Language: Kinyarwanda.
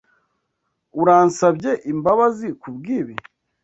Uransabye imbabazi kubwibi.